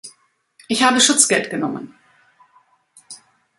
Ich habe Schutzgeld genommen.